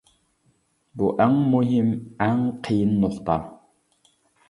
بۇ ئەڭ مۇھىم، ئەڭ قېيىن نۇقتا.